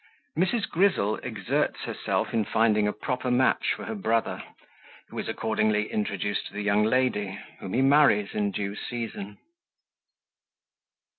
Mrs. Grizzle exerts herself in finding a proper Match for her Brother; who is accordingly introduced to the young Lady, whom he marries in due Season.